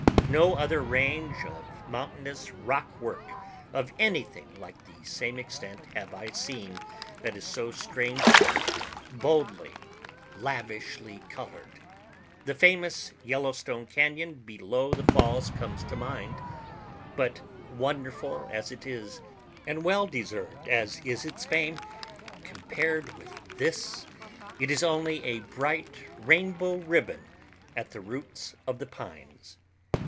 No other range of mountainous rock work of anything like the same extent have I seen that is so strangely, boldly, lavishly colored. The famous Yellowstone Cañon below the falls comes to mind; but, wonderful as it is, and well deserved as is its fame, compared with this it is only a bright rainbow ribbon at the roots of the pines.